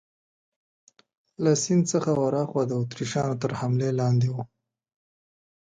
له سیند څخه ورهاخوا د اتریشیانو تر حملې لاندې وو.